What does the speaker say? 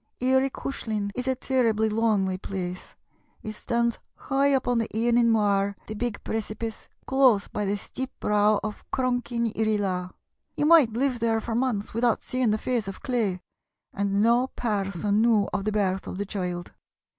Eary Cushlin is a terribly lonely place; it stands high up on the Eanin Mooar, the big precipice, close by the steep brow of Cronk yn Irree Laa. You might live there for months without seeing the face of clay, and no person knew of the birth of the child.